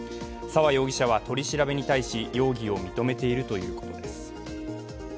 沢容疑者は取り調べに対し容疑を認めているということです。